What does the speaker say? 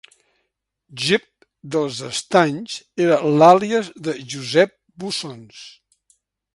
Jep dels Estanys era l'àlies de Josep Bussons.